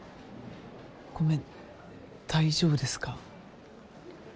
ごめん大丈夫ですか？